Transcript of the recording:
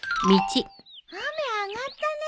雨上がったね。